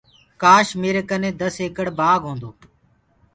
ڪآش ميرآ ڪنآ دس ايڪڙ بآگ هيندو۔